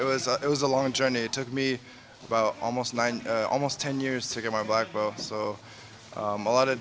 ada banyak pengorbanan banyak pengorbanan